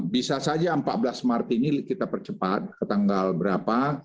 bisa saja empat belas maret ini kita percepat ke tanggal berapa